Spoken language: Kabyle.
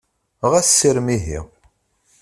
Xas sirem ihi!